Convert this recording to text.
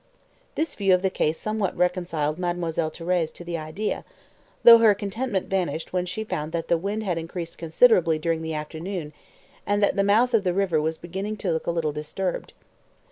This view of the case somewhat reconciled Mademoiselle Thérèse to the idea, though her contentment vanished when she found that the wind had increased considerably during the afternoon, and that the mouth of the river was beginning to look a little disturbed.